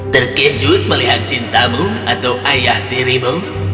terkejut melihat cintamu atau ayah tirimu